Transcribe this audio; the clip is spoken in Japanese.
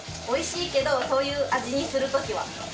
おいしいけどそういう味にするときは。